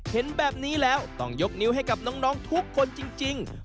เห็นแบบนี้แล้วต้องยกนิ้วให้กับน้องทุกคนจริง